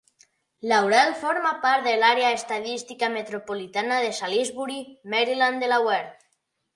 Laurel forma part de l'àrea estadística metropolitana de Salisbury, Maryland-Delaware.